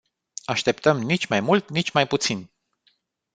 Așteptăm nici mai mult, nici mai puțin!